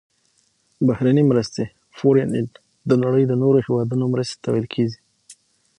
بهرنۍ مرستې Foreign Aid د نړۍ د نورو هیوادونو مرستې ته ویل کیږي.